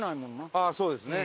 ああそうですね。